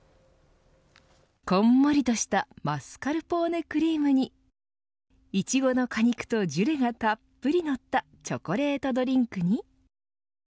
こんもりとしたマスカルポーネクリームにいちごの果肉とジュレがたっぷりのったチョコレートドリンクに。